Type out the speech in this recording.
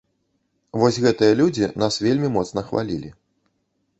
Вось гэтыя людзі нас вельмі моцна хвалілі.